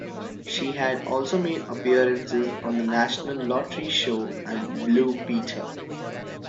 She had also made appearances on the National Lottery Show and "Blue Peter".